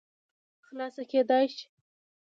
خلاصه کېداى شي